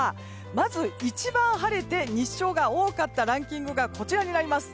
まず、一番晴れて日照が多かったランキングがこちらになります。